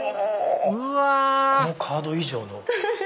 このカード以上の。